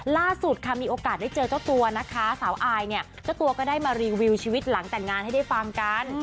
ล่าสุดค่ะมีโอกาสได้เจอเจ้าตัวนะคะสาวอายเนี่ยเจ้าตัวก็ได้มารีวิวชีวิตหลังแต่งงานให้ได้ฟังกัน